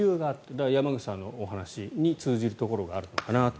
だから山口さんのお話に通じるところがあるのかなと。